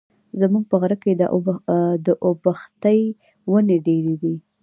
زموږ په غره کي د اوبښتي وني ډېري دي.